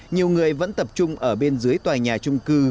nhiều người vẫn tập trung ở bên dưới tòa nhà trung cư